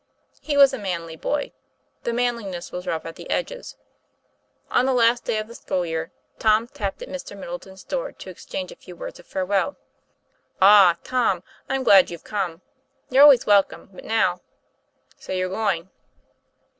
He was a manly boy; the manliness was rough at the edges. On the last day of the school year Tom tapped at Mr. Middleton's door to exchange a few words of farewell. " Ah, Tom ; I'm glad you've come ! You're always welcome, but now So you're going?"